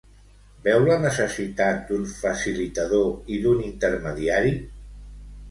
Veu la necessitat d'un facilitador i d'un intermediari?